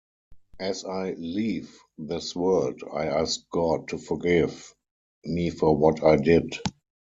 As I leave this world, I ask God to forgive...me for what I did.